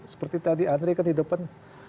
seperti tadi andre kan di depan